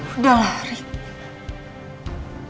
udah lah rik